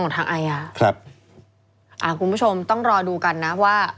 คุณผู้ชมต้องรอดูกันนะว่า